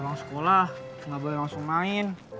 orang sekolah gak boleh langsung main